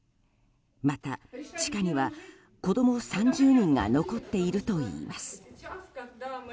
また、地下には子供３０人が残っているといいます。